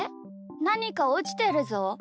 なにかおちてるぞ。